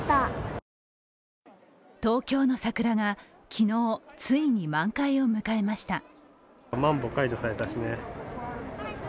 東京の桜が昨日、ついに満開を迎えました。